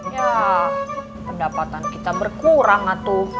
ya pendapatan kita berkurang atau